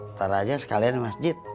ntar aja sekalian masjid